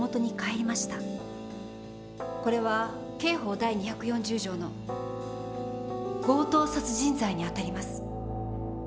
これは刑法第２４０条の強盗殺人罪にあたります。